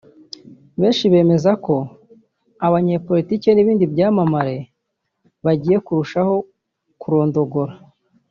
benshi bemeza ko abanyapolitiki n’ibindi byamamare bagiye kurushaho kurondogora